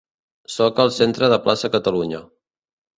Soc al centre de Plaça Catalunya.